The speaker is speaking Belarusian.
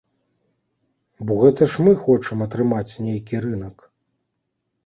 Бо гэта ж мы хочам атрымаць нейкі рынак.